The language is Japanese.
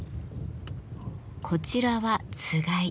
こちらはつがい。